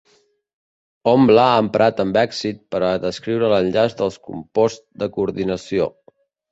Hom l'ha emprat amb èxit per a descriure l'enllaç dels composts de coordinació.